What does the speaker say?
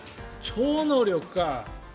超能力か。